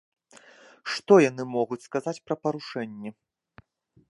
Што яны могуць сказаць пра парушэнні?